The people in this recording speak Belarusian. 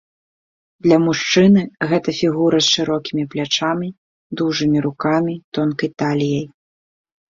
Для мужчыны гэта фігура з шырокімі плячамі, дужымі рукамі, тонкай таліяй.